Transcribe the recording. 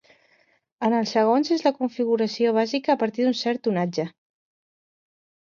En els segons és la configuració bàsica a partir d'un cert tonatge.